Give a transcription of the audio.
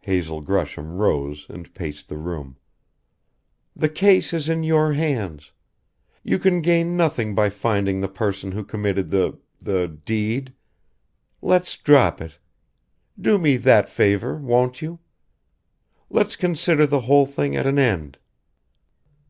Hazel Gresham rose and paced the room. "The case is in your hands. You can gain nothing by finding the person who committed the the deed. Let's drop it. Do me that favor, won't you? Let's consider the whole thing at an end!"